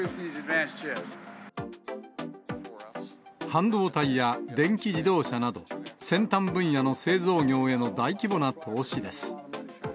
半導体や電気自動車など、先端分野の製造業への大規模な投資です。